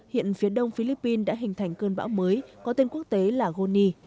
hiện phía đông philippines đã hình thành cơn bão mới có tên quốc tế là goni